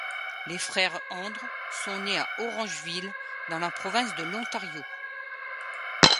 Les frères Andre sont nés à Orangeville, dans la province de l'Ontario.